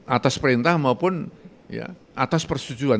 atas perintah maupun atas persetujuan